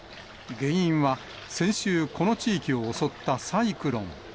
原因は先週、この地域を襲ったサイクロン。